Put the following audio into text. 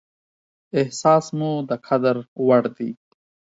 احساس مو د قدر وړ دى.